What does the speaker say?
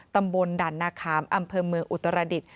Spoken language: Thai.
ตำบลดันนาคาร์มอำเภอเมืองอุตรศาสตร์ระดิษฐ์